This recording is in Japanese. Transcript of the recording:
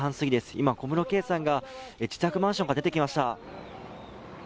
今、小室圭さんが自宅マンションから出てきました。